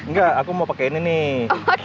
enggak aku mau pakai ini nih